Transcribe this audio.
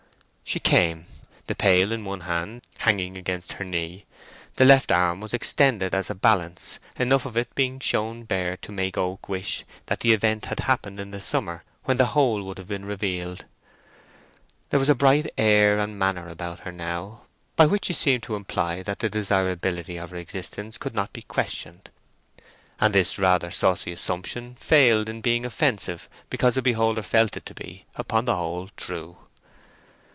She came, the pail in one hand, hanging against her knee. The left arm was extended as a balance, enough of it being shown bare to make Oak wish that the event had happened in the summer, when the whole would have been revealed. There was a bright air and manner about her now, by which she seemed to imply that the desirability of her existence could not be questioned; and this rather saucy assumption failed in being offensive because a beholder felt it to be, upon the whole, true.